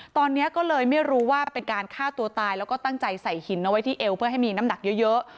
ตอนนี้ก็เลยไม่รู้ว่าเป็นการฆ่าตัวตายแล้วก็ตั้งใจใส่หินเอาไว้ที่เอวเพื่อให้มีน้ำหนักเยอะ